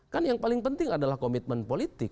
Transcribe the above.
kan yang paling penting adalah komitmen politik